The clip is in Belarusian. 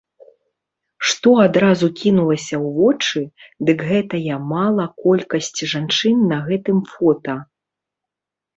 Што адразу кінулася ў вочы, дык гэтая мала колькасць жанчын на гэтым фота.